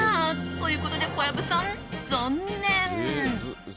ということで小籔さん、残念。